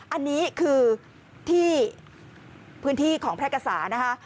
อันนี้คือพื้นที่ของพรกษานะฮะ